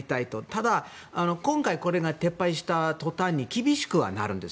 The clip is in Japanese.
ただ今回これが撤廃した途端に厳しくはなるんです。